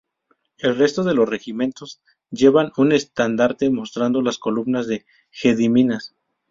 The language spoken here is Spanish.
El resto de los regimientos llevaban un estandarte mostrando las columnas de Gediminas.